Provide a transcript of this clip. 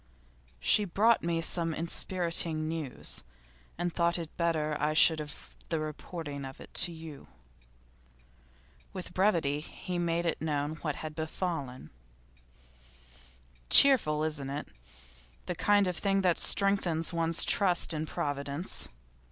'She brought me some enspiriting news, and thought it better I should have the reporting of it to you.' With brevity he made known what had befallen. 'Cheerful, isn't it? The kind of thing that strengthens one's trust in Providence.